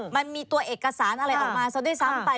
มันมีตัวเอกสารอะไรออกมาซะด้วยซ้ำไป